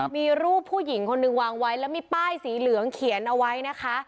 มีรูปผู้หญิงคนหนึ่งวางไว้แล้วมีป้ายสีเหลืองเขียนเอาไว้นะคะ